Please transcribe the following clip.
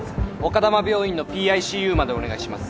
丘珠病院のＰＩＣＵまでお願いします。